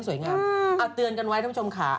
สวัสดีค่าข้าวใส่ไข่